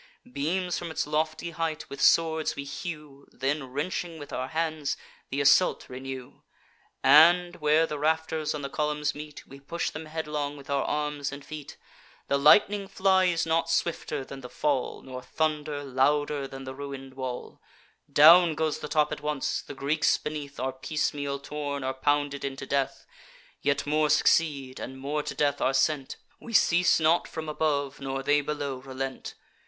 Beams from its lofty height with swords we hew, Then, wrenching with our hands, th' assault renew; And, where the rafters on the columns meet, We push them headlong with our arms and feet. The lightning flies not swifter than the fall, Nor thunder louder than the ruin'd wall: Down goes the top at once; the Greeks beneath Are piecemeal torn, or pounded into death. Yet more succeed, and more to death are sent; We cease not from above, nor they below relent.